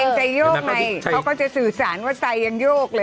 เองจะยกไงเขาก็จะสื่อสารว่าใจยังยกเลยอ่ะอุ้ย